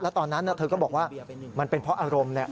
แล้วตอนนั้นเธอก็บอกว่ามันเป็นเพราะอารมณ์